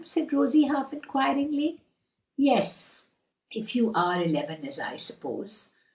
said Rosie half inquiringly. "Yes; if you are eleven, as I suppose."